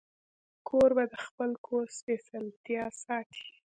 کوربه د خپل کور سپېڅلتیا ساتي.